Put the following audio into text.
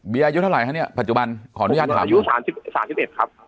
เบี้ยอายุเท่าไหร่ใช่มั้ยผมได้อายุ๓๑ครับ